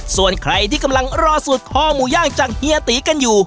ส่วนใครที่กำลังรอสูตรคอหมูย่างจากเฮียตีกันอยู่